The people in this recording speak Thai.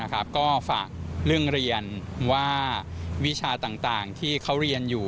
ก็ฝากเรื่องเรียนว่าวิชาต่างที่เขาเรียนอยู่